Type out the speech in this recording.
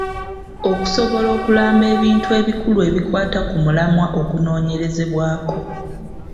Okusobola okulamba ebintu ebikulu ebikwata ku mulamwa ogunoonyerezebwako.